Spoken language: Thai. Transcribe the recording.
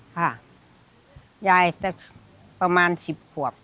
ค่ะยายแต่ประมาณสิบหัว